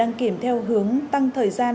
đăng kiểm theo hướng tăng thời gian